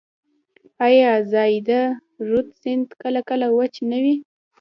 آیا زاینده رود سیند کله کله وچ نه وي؟